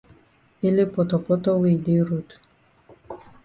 Ele potopoto wey yi dey road.